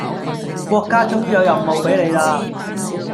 國家終於有任務俾你喇